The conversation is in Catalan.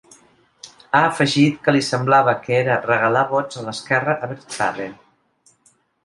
Ha afegit que li semblava que era ‘regalar vots a l’esquerra abertzale’.